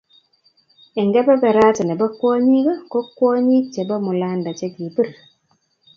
Eng kebeberat ne bo kwonyiik, ko kwonyiik che bo Mulanda che kipir